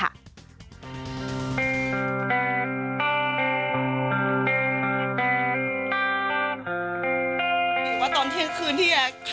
เท้าหนดคุณศูนย์เห็นจริงยังอยู่กันข้างเกิน